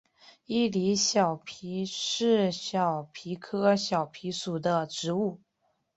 伊犁小檗是小檗科小檗属的植物。